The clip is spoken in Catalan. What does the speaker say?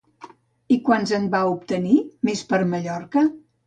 I quants en va obtenir Més per Mallorca?